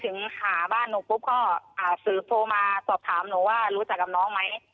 ถึงหาบ้านหนูปุ๊บก็สื่อโทรมาสอบถามหนูว่ารู้จักกับน้องไหม